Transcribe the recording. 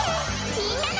みんなの！